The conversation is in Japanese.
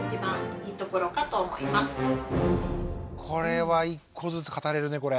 これは１個ずつ語れるね。